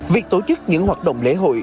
việc tổ chức những hoạt động lễ hội